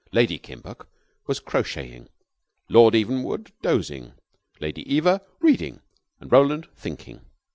Lady Kimbuck was crocheting, Lord Evenwood dozing, Lady Eva reading, and Roland thinking.